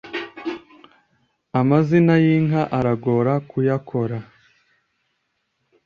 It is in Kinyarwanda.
amazina y’ inka aragora kuyakora.